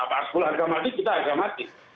paspor harga mati kita harga mati